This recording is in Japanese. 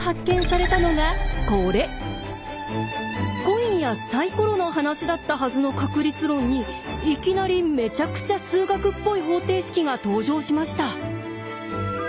コインやサイコロの話だったはずの確率論にいきなりめちゃくちゃ数学っぽい方程式が登場しました。